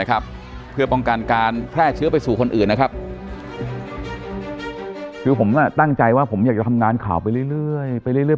คือผมตั้งใจว่าผมอยากจะทำงานข่าวไปเรื่อย